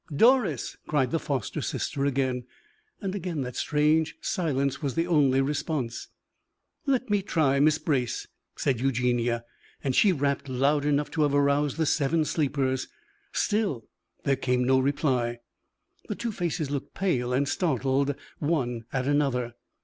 "Doris!" cried the foster sister again; and again that strange silence was the only response. "Let me try, Miss Brace," said Eugenie, and she rapped loud enough to have aroused the seven sleepers. Still there came no reply. The two faces looked pale and startled, one at another.